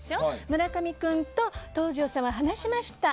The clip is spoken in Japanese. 村上君と東條さんは話しました。